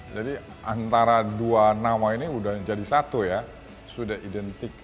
jadi antara dua nama ini sudah jadi satu ya sudah identik